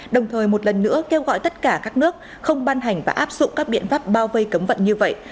đồng thời một lần nữa kêu gọi tất cả các nước không ban hành và áp dụng các biện pháp bao vây cấm vận như vậy